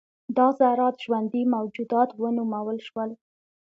دا ذرات ژوندي موجودات ونومول شول.